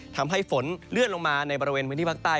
ทำให้ฝนเลื่อนลงมาในบริเวณพื้นที่ภาคใต้